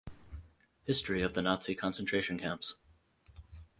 History of the Nazi concentration camps.